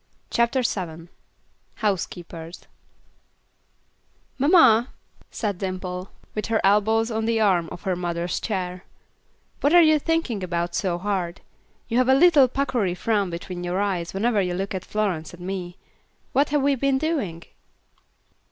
CHAPTER VII Housekeepers "Mamma," said Dimple, with her elbows on the arm of her mother's chair, "what are you thinking about so hard? You have a little puckery frown between your eyes, whenever you look at Florence and me. What have we been doing?"